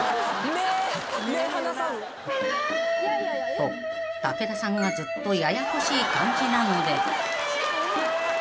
［と武田さんがずっとややこしい感じなので］